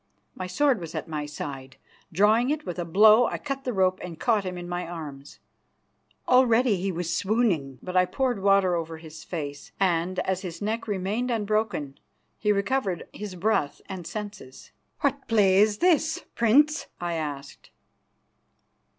My sword was at my side. Drawing it, with a blow I cut the rope and caught him in my arms. Already he was swooning, but I poured water over his face, and, as his neck remained unbroken, he recovered his breath and senses. "What play is this, Prince?" I asked.